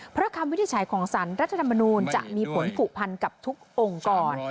เพราะคำวินิจฉัยของสารรัฐธรรมนูลจะมีผลผูกพันกับทุกองค์กร